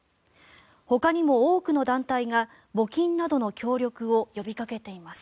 ほかにも多くの団体が募金などの協力を呼びかけています。